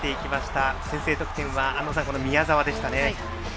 安藤さん、先制得点は宮澤でしたね。